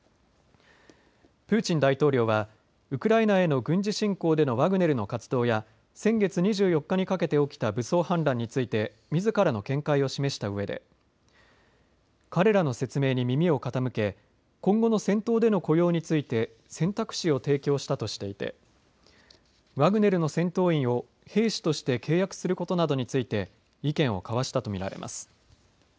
プーチン大統領はウクライナへの軍事侵攻でのワグネルの活動や先月２４日にかけて起きた武装反乱についてみずからの見解を示したうえで彼らの説明に耳を傾け今後の戦闘での雇用について選択肢を提供したとしていてワグネルの戦闘員を兵士として契約することなどについて意見を交わしたと見られます。